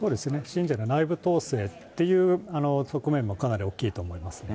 信者の内部統制っていう側面もかなり大きいと思います。